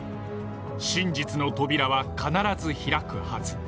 真実の扉は必ず開くはず。